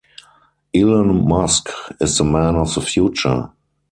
Elon Musk is the man of the future.